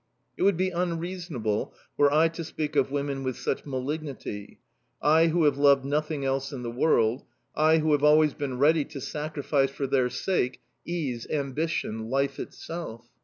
It would be unreasonable were I to speak of women with such malignity I who have loved nothing else in the world I who have always been ready to sacrifice for their sake ease, ambition, life itself...